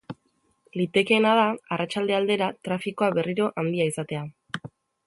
Litekeena da arratsalde aldera trafikoa berriro handia izatea.